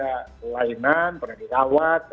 kelainan pernah dirawat